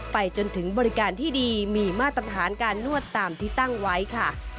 ไปจนถึงบริการที่ดีมีมาตรฐานการนวดตามที่ตั้งไว้ค่ะ